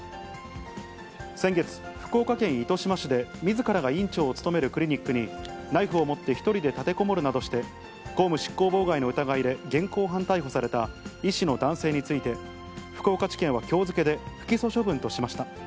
先月、福岡県糸島市で、みずからが院長を務めるクリニックに、ナイフを持って１人で立てこもるなどして、公務執行妨害の疑いで現行犯逮捕された医師の男性について、福岡地検はきょう付けで不起訴処分としました。